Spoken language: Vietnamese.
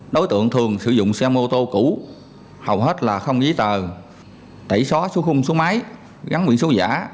đối tượng thường sử dụng xe mô tô cũ hầu hết là không ghi tờ tẩy xóa xuống khung xuống máy gắn quyển xuống giả